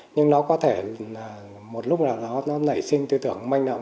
nhưng nó có thể là một lúc nào nó nảy sinh tư tưởng manh động